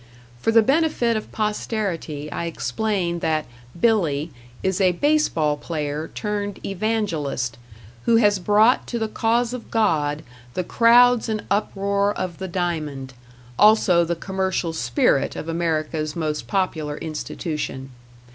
For the benefit of posterity I explain that "Billy" is a baseball player turned Evangelist, who has brought to the cause of God the crowds and uproar of the diamond; also the commercial spirit of America's most popular institution.